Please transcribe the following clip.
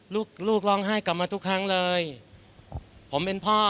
ลูกลูกร้องไห้กลับมาทุกครั้งเลยผมเป็นพ่อ